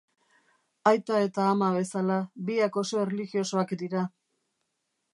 Aita eta ama bezala, biak oso erlijiosoak dira.